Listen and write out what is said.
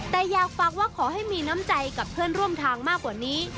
แต่อยากฝากว่าขอให้มีน้ำใจกับเพื่อนร่วมทางมากกว่านี้